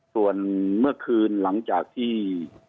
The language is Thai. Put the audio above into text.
ส่วนเมื่อคืนหลังจากที่